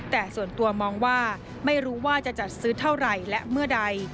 แต่ส่วนตัวมองว่าไม่รู้ว่าจะจัดซื้อเท่าไหร่และเมื่อใด